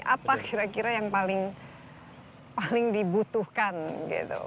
apa kira kira yang paling dibutuhkan gitu